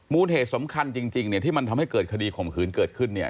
เหตุสำคัญจริงเนี่ยที่มันทำให้เกิดคดีข่มขืนเกิดขึ้นเนี่ย